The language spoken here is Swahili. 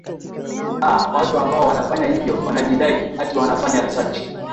a watu ambao wanafanya hivyo wanajidai ati wanafanya researchi